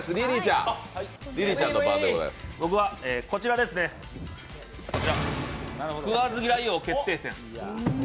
僕は、こちら、食わず嫌い王決定戦。